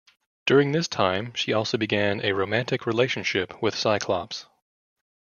During this time, she also began a romantic relationship with Cyclops.